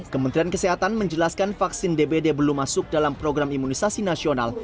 kementerian kesehatan menjelaskan vaksin dbd belum masuk dalam program imunisasi nasional